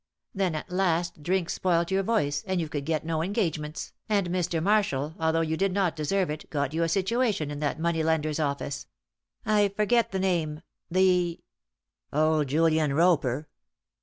Then at last drink spoilt your voice, and you could get no engagements and Mr. Marshall, although you did not deserve it, got you a situation in that moneylender's office I forget the name the " "Old Julian Roper."